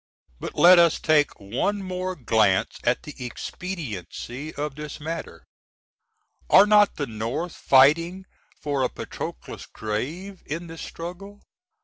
But let us take one more glance at the expediency of this matter. Are not the North fighting for a Patroclus' grave in this struggle?